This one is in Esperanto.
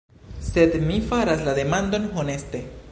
Sed mi faras la demandon honeste.